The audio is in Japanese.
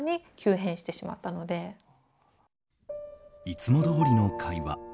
いつもどおりの会話。